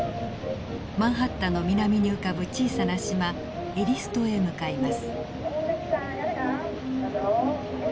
マンハッタンの南に浮かぶ小さな島エリス島へ向かいます。